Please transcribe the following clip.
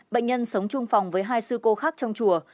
bệnh nhân sống chung phòng với hai sư cô khác trong chùa